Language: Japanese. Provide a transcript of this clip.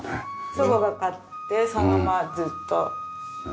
祖母が買ってそのままずっと。